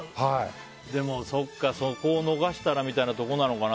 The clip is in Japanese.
でも、そうかそこを逃したらみたいなことなのかな。